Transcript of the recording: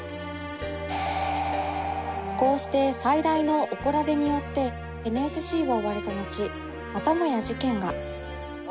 こうして最大の怒られによって ＮＳＣ を追われたのちまたもや事件が